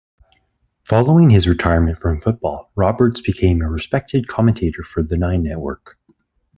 Following his retirement from football, Roberts became a respected commentator for the Nine Network.